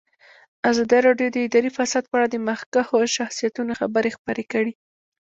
ازادي راډیو د اداري فساد په اړه د مخکښو شخصیتونو خبرې خپرې کړي.